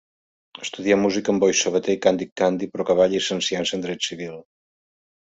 Estudià música amb Boi Sabater i Càndid Candi, però acabà llicenciant-se en dret civil.